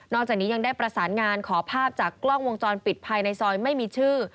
จากนี้ยังได้ประสานงานขอภาพจากกล้องวงจรปิดภายในซอยไม่มีชื่อ